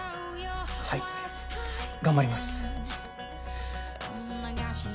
はい頑張ります。